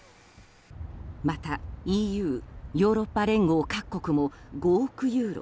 またＥＵ・ヨーロッパ連合各国も５億ユーロ